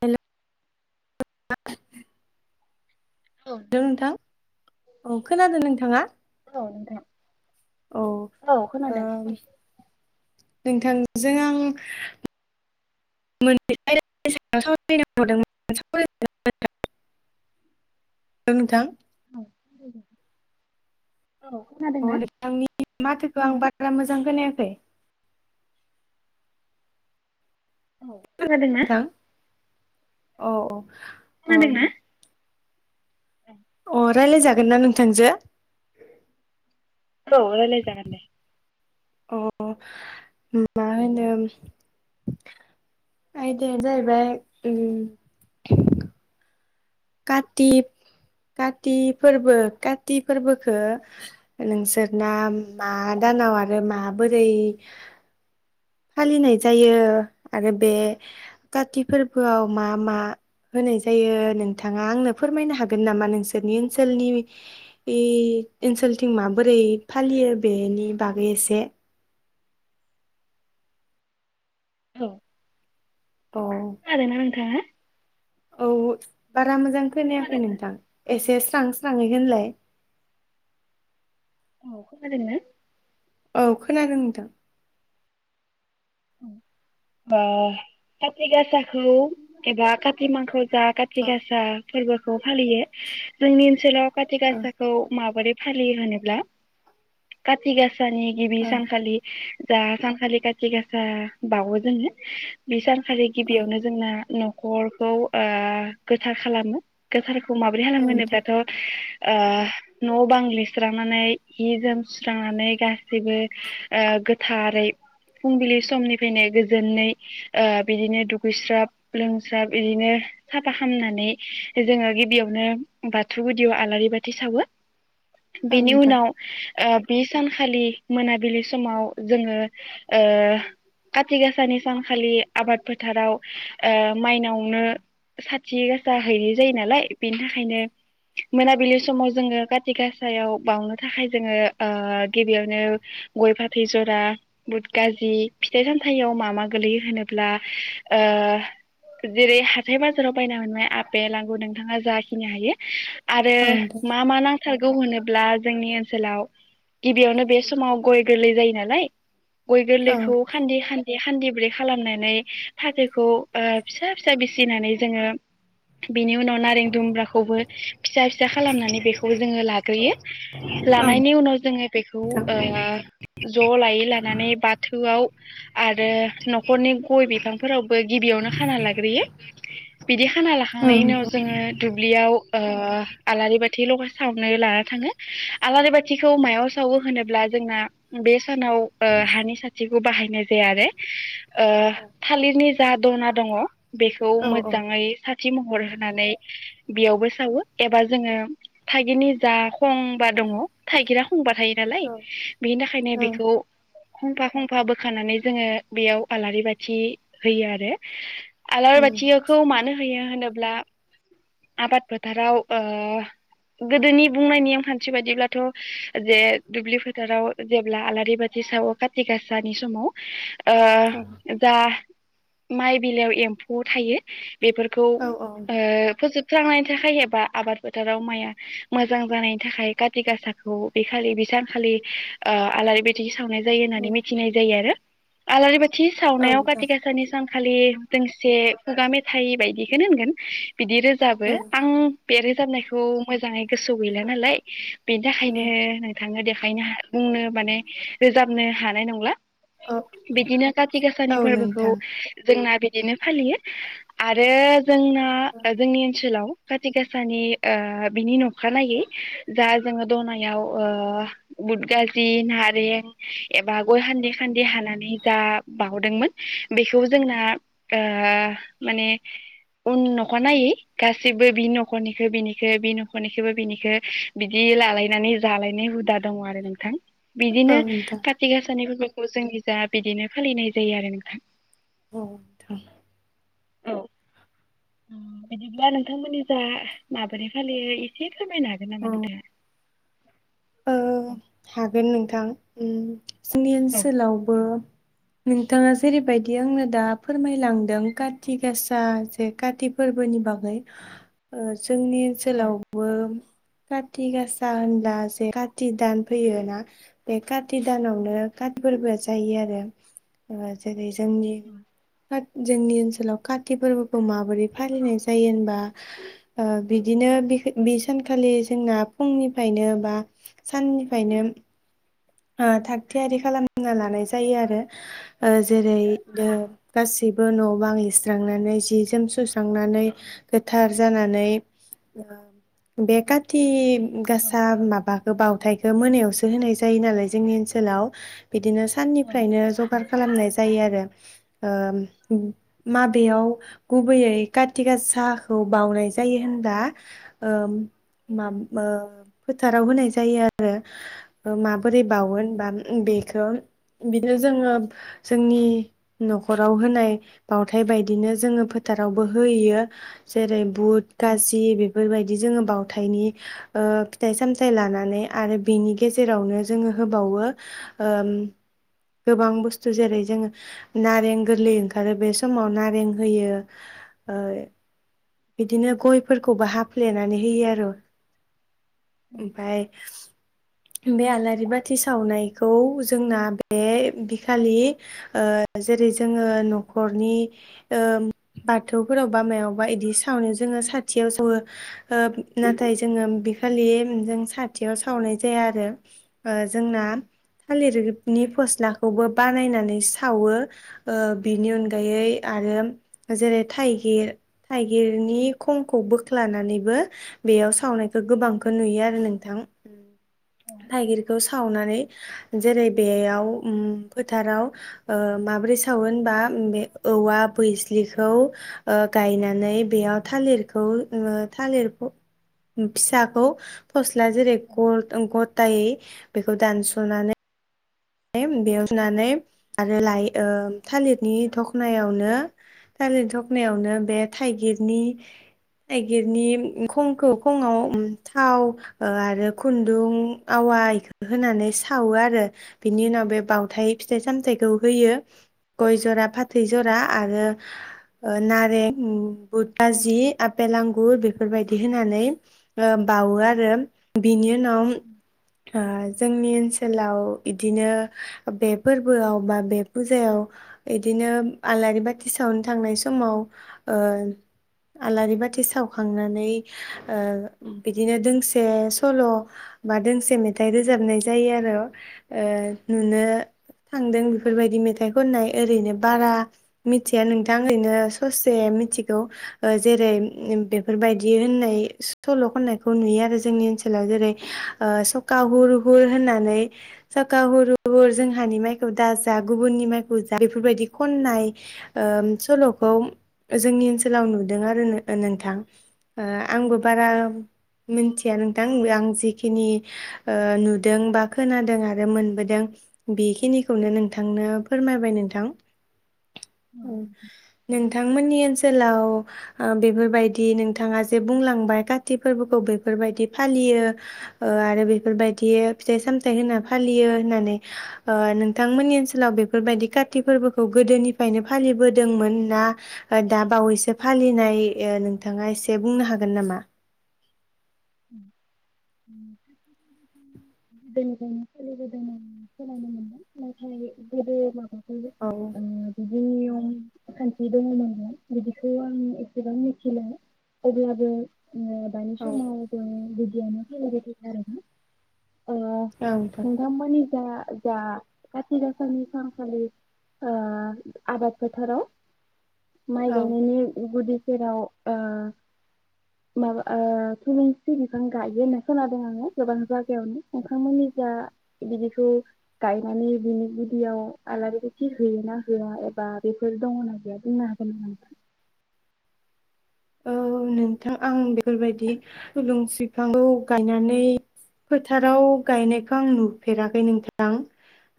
Hello औ दों नोंथां औ खोनादों नोंथाङा? [unintelligible] औ औ खोनादों औ। नोंथांजों आं [unintelligible] [unintelligible] [unintelligible] नोंथां। [unintelligible] औ अ खोनादोंंना? नोंथांनि माथोखौ आं बारा मोजां खोनायाखै। औ जादोंना? नोंथां औ औ। खोनादोंना? अ रायलाय जागोनना नोंथांजो? औ रायलाय जागोन दे। अ मा होनो आयदाया जाहैबाय ओम कातिब काति फोरबो काति फोरबोखो नोंसोरना मा दानाव आरो माबोरै फालिनाय जायो आरो बे काति फोरबोआव मा मा होनाय जायो नोंथाङा आंनो फोरमायनो हागोन नामा नोंसोरनि ओनसोलनि ओनसोलथिं माबोरै फालियो बेनि बागै एसे? औ औ खोनादोंना नोंथाङा? औ बारा मोजां खोनायाखै खोनादोंना नोंथां। एसे स्रां स्रांहै होनलाय। औ खोनादोंना? औ खोनादों नोंथां। ओ काति गासाखौ एबा काति मांखो जा काति औ गासा फोरबोखौ फालियो जोंनि ओनसोलाव काटि गासाखौ माबोरै फालियो होनोब्ला काति गास साननि गिबि औ सानखालि जा सानखाालि खाथि गासा बावो [unintelligible] आरो औ गिबियावनो जोंना न खरखौ ओ गोथार खालामो गोथार खौ माबोरै औ हालाम नोंथां होनोब्लाथ' ओ न बां लिरस्रांनानै हि जोम सुस्रांनानै गासैबो ओ गोथारै फुंबिलि समनिफ्रायनो गो जोननै ओ बिदिनो दुगैस्राब लोंस्राब इदिनो साफा खामनानै जोङो गिबियावनो बाथौ गुदियाव आलारि बाथि सावो। औ बेनि नोंथां उनाव ओ बे सानखालि मोनाबिलि समाव जोङो ओ काथ खाथि गाासानि सानखालि आबाद फोथाराव ओ माइनावनो साथि गासा हैनाय जायो नालाय बेनि थाखायनो मोनाबिलि समाव जोङो काथि गासायाव बाउनो थाखाय जोङो ओ गिबियावनो गय फाथै जरा बुद गाजि फिथाइ साम थायाव मा मा गोलैयो होनोब्ला ओ जेरै हाथाय बाजाराव बायना मोननाय आपेल आंगुर नोंथाङा जाखिनि हायो आरो औ नोंथां मा मा नां सारगौ होनोब्ला जोंनि ओनसोलाव गिबियावनो बे समाव गय गोरलै जायो नालाय। गय औ नोंथां गोरलैखौ खान्दि खान्दिब्रै खालामनानै फाथैखौ ओ फिसा फिसा बिसिनानै जोङो बिनि उनाव नारें दुम्ब्राखौबो फिसा फिसा खालामनानै बेखौ जोङो लाग्रोयो लानायनि उनाव जोङो बेखौ ओ ज लायै लानानै बाथौआव आरो नखरनि गय बिफांफोरावबो गिबियावनो खाना लाग्रोयो बिदि खाना औ लाखांनायनि उनाव नोंथां जोङो दुब्लियाव ओ आलारि बाथि लगा सावनो लाना थाङो आलारि बाथ थिखौ मायाव सावो होनोब्ला। जोंना बे सानाव ओ हानि साथि बाहायनाय जे आरोे ओ थालिरनि जा दना दङ। बेखौ औ औ मोजाङै सा थि महर होनानै बेयावबो सावो एबा जोङो थाइगिरनि जा खंबा दङ थाइगिरा बुंबा थायो नालाय बेनि थाखायनो बेखौ खंफा खंफा बोखानानै जोङो बेयाव आलारि बाथि होयो आरो। आलारि उम बाथिखौ मानो होयो होनोब्ला आबाद फोथाराव ओ गोदोनि बुंनाय नेमखान्थिबादिब्लाथ जे दुब्लि फोथाराव जेब्ला आलारि बाथि सावो काति गासानि समाव। औ ऐ जा माइ बिलायाव एम्फौ थायो। बेफोरखौ औ औ ओ फोजोब स्रांनायनि थाखाय एबा आबाद फोथाराव माइआ मोजां जानायनि थाखाय काति गासाखौ बेखालि बेसानखालि आलारि बाथि थावनाय जायो होननानै नोंथां मिथिनाय जायो आरो। आलारि बा थि सावनायाव काति गासानि सान खालि दोंसे खुगा मेथाइ बायदिखोनो होनगोन। बिदि औ रोजाबो नोंथां आं बे रोजाबनायखौ मोजाङै गोसोआव गैला नालाय बेनि थाखायनो नोंथांनो दे हायनो हा बुंनो माने रोजाबनो हानाय नंला। बिदिनो काति औ गासानि फोरबोखौ नोंथां जोंना दिनो फालियो आरो जोंना ओ जोंनि ओनसोलाव। खाथि गाासानि ओ बिनि नखानायै जा जोङो दनायाव ओ बुदगाजि नारें एबा गय हान्दि खान्दि हानानै जा बावहदोंमोन बेखौ जोंना ओ माने उन न'खर नायै गासैबो बि न'खरनिखौ बिनिख बि न'खरनिखौबो बिनिखौ बिदि लालायनानै जालायनाय हुदा दङ आरो नोंथां। औ बिदिनो नोंथां काथि गासानि फोर खौ जोंनि जा बिदिनो फालिनाय जायो आरो नोंथां। औ नोंथां। औ उम बिदिब्ला नोंथांमोननि जा माबोरै फालियो एसे फोरमायनो हागोन नामा नोंथांङा? औ औ हा बे नोंथां उम। जोंनि औ ओनसोलावबो नोंथाङा जेरैबायदि आंनो दा फोरमायलांदों काति गासा जे काति फोरबोनि बागै ओ जोंनि औ ओनसोलावबो काति गासा होमब्ला काति दान फैयो ना बे काति दानावनो कात फोरबोआ जायो आरो ओ जेरै जोंनि जोंनि ओनसोलाव काति फोरबोखौ माबोरै फालिनाय जायो होनबा ओ बिदिनो बेखे बे सानखालि जोंना फुंनिफ्रायनो बा साननिफ्रायनो ओ थागथियारि खालामना लानाय जायो आरो ओ जेरै दो-गासिब न' बांलिस्रांनानै जि जोम सुस्रांनानै गोथार जानानै ओ बे काति गासा माबा खो बावथाय ओ मोनायावसो होनाय जायो नालाय जोंनि ओनसोलाव। बिदिनो औ साननिफ्रायनो जगार खालामनाय जायो आरो ओम उम माबेबा गुबैयै काति गाबाखै बाउनाय जायो होनबा ओम माम ओ फोथाराव होनाय जायो आरो ओ माम बोरै बाउगोन बा बे [unintelligible] बिनो जोङो जोंनि न'खराव होनाय बावथाय बायदिनो जोङो फोथारावबो होयो जेरै बुद औ गासि बेफ फोर बायदि जोङो बावथायनि ओ फिथाइ सामथायाइ लानानै आरो बेनि गेजेरावनो जोङो होबावो ओम गोबां बुस्थु जेरै जोङो नारें गोरलै ओंखारो बे समाव नारें होयो। ओ बिदिनो गयफोरखौबो हाफ्लेनानै होयो आर औ ओमफाय बे आलार बाथि सावनायखौ जोंना बे बिखालि ओ जेरै जोङो नखरनि ओ बाथौफोराव बा मायावबा एदि सावनो जोङो साथियाव सावो ओ नाथाय जोङो बिखालि उम जों साथियाव सावनाय जाया आरो ओ जोंना थालिर नि फस्लाखौबो बानायनानै सावो। ओ बिनि अनगायै आरो जेरै थाइगिर थाइगिरनि खंखौ बोख्लानानैबो बेयाव सावनाय ओ गोबांखौ नुयो आरो नोंथां। ओम थाइगिर सावनानै जेरै बेआव ओम फोथाराव ओ माबोरै सावो होनबा बे औवा बैस्लिखौ ओ गायनानै बेआव थालिरखौ थालिर फ फिसाखौ फस दा जेरै गठ औ गथायै बेखौ दानस'नानै [unintelligible] आरो लाइ ओ थालिरनि थखनायावनो थालिर थखनायावनो बे थाइगिरनि थाइगिरनि खंखौ खङाव थाव ओ आरो खुन्दुं आवा बेखौ होनानै सावो आरो बिनि उनाव बे बावथाय फिथाइ सामथायाइखौ होयो। गय ज'रा फा थैज'रा आरो ओ नारें बुध आजि आफेल, आंगुर बेफोरबायदि होनानै ओ बावो आरो बिनि नाव आ जोंनि ओनसोलाव बिदिनो बे फोरबोआव बा बे फुजायाव इदिनो आलारि बाथि सावनो थांनाय समाव ओ आलारि बाथि सावखांनानै ओ बिदिनो दोंसे सल' बा दोंसे मेथाइ रोजाबनाय जायो आरो ए नुनो थांदों बेफोरबायदि मेथाइ खननाय ओरैनो बारा मिथिया नोंथां ओरैनो ससे मिथिगौ ओ जेरै बेफोरबायदि नै सल' खननायखौ नुयो आरो जोंनि ओनसोलाव जेरै- ओ सखा हुर हुर होननानै। साखा हुर हुर जोंहानि माइखौ दाजा गुबुननि माइखौ जा बेफोरबायदि खननाय ओ सलखौ जोंनि ओनसोलाव नुदों आरो नो-नोंथां। ओ आंबो बारा मिनथिया नोंथांबो, आं जिखिनि ओ नुदों बा खोनादों आरो रो मोनबोदों बेखिनिखौनो नोंथांनो फोरमायबाय नोंथां। औ नोंथांमोननि ओन सोलाव ओ बेफोरबायदि नोंथाङा जे बुंलांबाय काति फोरबोखौ बेफोरबायदि फालियो ओ आरो बेफोरबायदि फिथाइ सामथायाइ होना फालियो होननानै ओ नोंथांमोननि ओनसोलाव बेफोरबायदि काति फोरबोखौ गोदोनिफ्रायनो फालिबोदोंमोन ना दा बावैसो फालिनाय ए नोंथाङा एसे बुंनो हागोन नामा? [unintelligible] औ ओम खान्थि दङमोन बेआव बिदिखौ आं एसेबां मिथिला अब्लाबो ओ दानि समाव ओम बिदियानो खोनाबाय थायो आरो ना? ओ नोंथां मोनि बिथांआ जा काथि दासानि सानखालि आ आबाद फोथाराव माइ औ गायनायनि गुदि जेराव ओ माबा ओ फुलुं बिफां गायो होनना खोनादों आङो गोबां जायगायावनो नोंथांमोननि जा बिदिखौ गायनानै बिनि गुदियाव आलारि बाथि होयो ना होआ एबा बेफोर दङना गैया बुंनो हागोन नामा? औ नोंथां आं बे फोरबायदि थुलुंसि फांखौ गायनानै फोथाराव गायनायखौ आं नुफेराखै नोंथां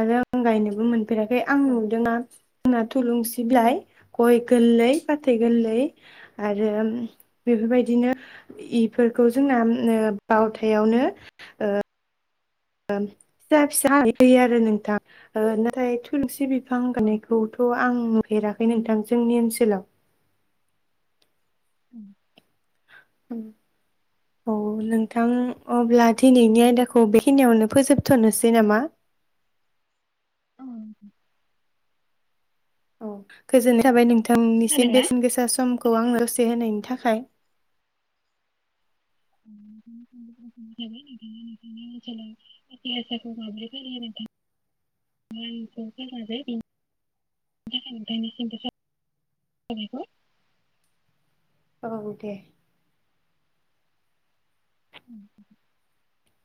आरो आं गायनोबो मोन फेराखै आं औ नुदोंना ना थुलुंसि बिलाय गय गोरलै फाथै गोरलै आरो बेफोरबायदिनो इफोरखौ जोंना ओ बावथायावनो ओ फिसा फिसा [unintelligible] आरो नोंथां ओ नाथाय थुलुंसि बि बिफां औ गायायखौथ' आं नु फेराखै नोंथां जोंनि ओनसोलाव [inaudible] औ नोंथां अब्ला दिनैनि आयदाखौ बेखिनियावनो फोजोबथ'नोसै नामा? ओं औ गोजोननाय थाबाय औ नोंथांनिसिम खोनादोंना? बेसेन गोसा समख खौ आंनो दसे होनायनि थाखाय। [unintelligible] औ दे। [unintelligible]